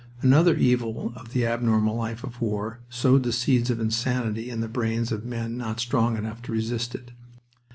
Another evil of the abnormal life of war sowed the seeds of insanity in the brains of men not strong enough to resist it.